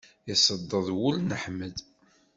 Iṣedded wul n Ḥmed.